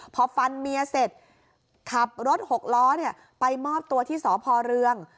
พอฟันเมียเสร็จขับรถหกล้อไปมอบตัวที่สพเรือง